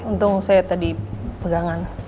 untung saya tadi pegangan